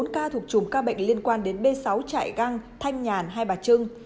bốn ca thuộc chùm ca bệnh liên quan đến b sáu chạy găng thanh nhàn hay bạch trưng